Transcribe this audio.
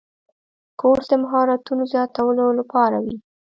کورس د مهارتونو زیاتولو لپاره وي.